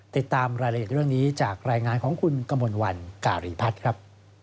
ติดตามรายละเอียดเรื่องนี้จากรายงานของคุณกมลวันการีพัฒน์ครับ